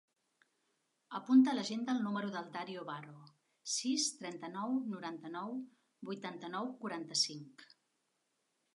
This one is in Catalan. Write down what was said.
Apunta a l'agenda el número del Dario Barro: sis, trenta-nou, noranta-nou, vuitanta-nou, quaranta-cinc.